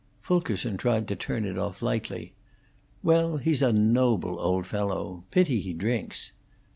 Fulkerson tried to turn it off lightly. "Well, he's a noble old fellow; pity he drinks."